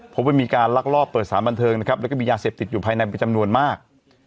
พบว่ามีการลักลอบเปิดสารบันเทิงนะครับแล้วก็มียาเสพติดอยู่ภายในเป็นจำนวนมาก